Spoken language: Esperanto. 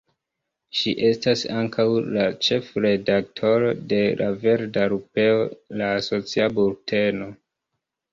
Ŝi estas ankaŭ la ĉefredaktoro de La Verda Lupeo, la asocia bulteno.